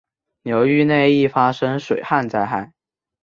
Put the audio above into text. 流域内易发生水旱灾害。